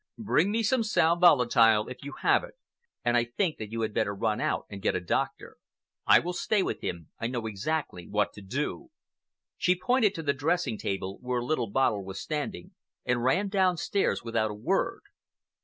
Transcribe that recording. Bring me some sal volatile if you have it, and I think that you had better run out and get a doctor. I will stay with him. I know exactly what to do." She pointed to the dressing table, where a little bottle was standing, and ran downstairs without a word.